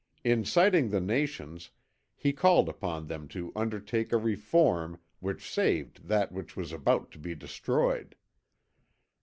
Inciting the nations, he called upon them to undertake a reform which saved that which was about to be destroyed.